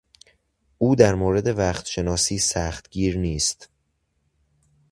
او در مورد وقتشناسی سختگیر نیست.